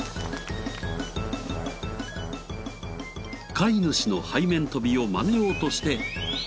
飼い主の背面跳びをマネようとして。